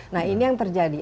nah ini yang terjadi